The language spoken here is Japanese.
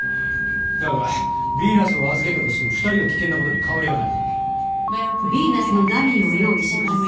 だがビーナスを預けたとしても２人が危険なことに変わりはない。